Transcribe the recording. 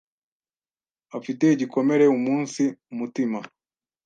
afi te igikomere umunsi mutima